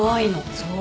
そう。